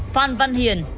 phan văn hiền